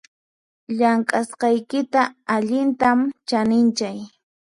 Llamk'asqaykita allintam chaninchay